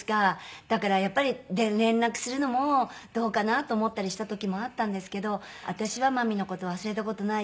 だからやっぱり連絡するのもどうかなと思ったりした時もあったんですけど「私は真実の事忘れた事ないよ」。